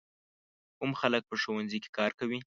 کوم خلک په ښوونځي کې کار کوي؟